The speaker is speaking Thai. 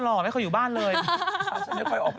ก็หลายตายอีก